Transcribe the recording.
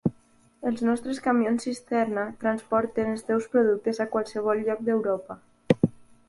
Els nostres camions cisterna transporten els teus productes a qualsevol lloc d'Europa.